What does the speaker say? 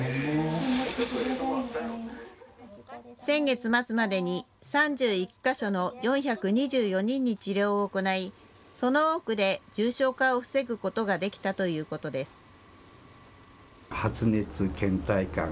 先月末までに３１か所の４２４人に治療を行い、その多くで重症化を防ぐことができたということです。